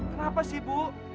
kenapa sih bu